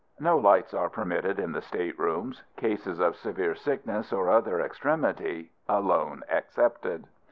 No lights are permitted in the state rooms cases of severe sickness or other extremity alone excepted.